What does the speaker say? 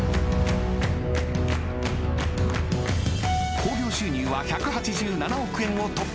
興行収入は１８７億円を突破。